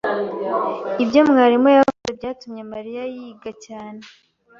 Ibyo mwarimu yavuze byatumye Mariya yiga cyane.